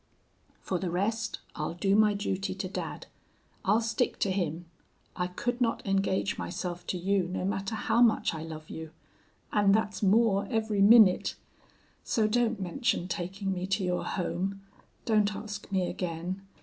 For the rest, I'll do my duty to dad. I'll stick to him. I could not engage myself to you, no matter how much I love you. And that's more every minute!... So don't mention taking me to your home don't ask me again.